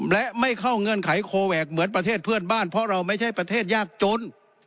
และไม่เข้าเงื่อนไขโคแวคเหมือนประเทศเพื่อนบ้านเพราะเราไม่ใช่ประเทศยากจน